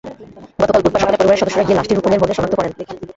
গতকাল বুধবার সকালে পরিবারের সদস্যরা গিয়ে লাশটি রূপনের বলে শনাক্ত করেন।